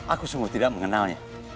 aku sungguh tidak mengenalnya